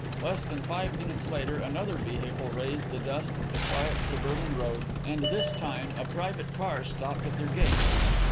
Less than five minutes later another vehicle raised the dust of the quiet suburban road, and this time a private car stopped at their gate.